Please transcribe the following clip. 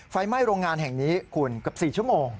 ไฟไหม้โรงงานแห่งนี้คุณเกือบ๔ชั่วโมง